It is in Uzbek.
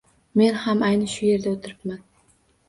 Men ham ayni shu yerda o‘tiribman.